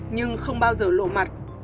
nhưng không bao giờ lộ mặt